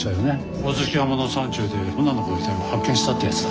ホオズキ山の山中で女の子の遺体を発見したってやつだ。